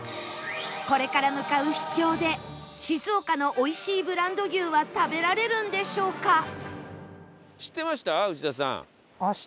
これから向かう秘境で静岡のおいしいブランド牛は食べられるんでしょうか？